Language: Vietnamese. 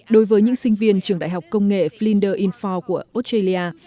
đối với những sinh viên trường đại học công nghệ flinders info của australia